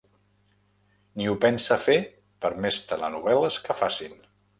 Ni ho pensa fer, per més telenovel·les que facin.